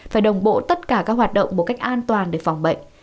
phải đồng bộ tất cả các hoạt động một cách an toàn để phòng bệnh